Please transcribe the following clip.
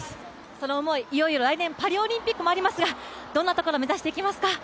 その思い、いよいよ来年パリオリンピックもありますがどんなところを目指していきますか？